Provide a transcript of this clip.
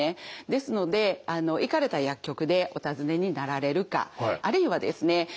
ですので行かれた薬局でお尋ねになられるかあるいはですね